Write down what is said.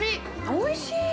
おいしい。